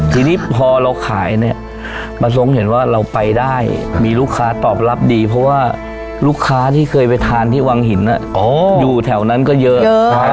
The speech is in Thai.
ทีนี้พอเราขายเนี่ยประสงค์เห็นว่าเราไปได้มีลูกค้าตอบรับดีเพราะว่าลูกค้าที่เคยไปทานที่วังหินอยู่แถวนั้นก็เยอะ